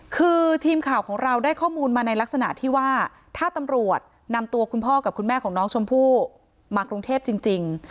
คือทีมข่าวของเราได้ข้อมูลมาในลักษณะที่ว่าถ้าตำรวจนำตัวคุณพ่อกับคุณแม่ของน้องชมพู่มากรุงเทพจริง